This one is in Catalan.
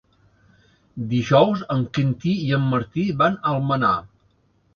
Dijous en Quintí i en Martí van a Almenar.